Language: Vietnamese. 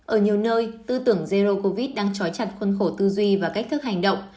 ở nhiều nơi tư tưởng jero covid đang trói chặt khuôn khổ tư duy và cách thức hành động